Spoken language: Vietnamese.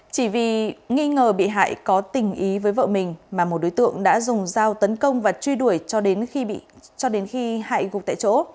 chỉ vì nghi ngờ bị hại có tình ý với vợ mình mà một đối tượng đã dùng dao tấn công và truy đuổi cho đến khi hại gục tại chỗ